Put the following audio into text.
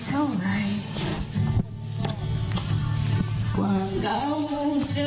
ลดหัวใจลองดูนั้นดาวเต็มฟ้ามันขอใจ